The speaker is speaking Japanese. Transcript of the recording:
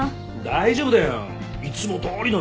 大丈夫だよ。いつもどおりの夏海でいけ！